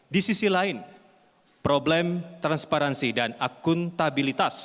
di sisi lain problem transparansi dan akuntabilitas